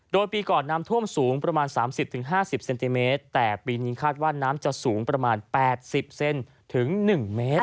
โดยปีก่อนน้ำท่วมสูงประมาณสามสิบถึงห้าสิบเซนติเมตรแต่ปีนี้คาดว่าน้ำจะสูงประมาณแปดสิบเซนถึงหนึ่งเมตร